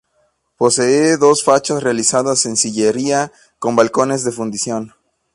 Posee dos fachadas realizadas en sillería, con balcones de fundición.